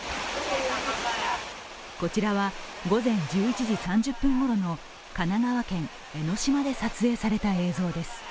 こちらは午前１１時３０分ごろの神奈川県江の島で撮影された映像です。